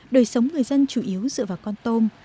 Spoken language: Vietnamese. đời sống người dân chủ yếu dựa vào con tôm